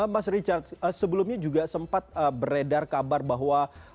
mas richard sebelumnya juga sempat beredar kabar bahwa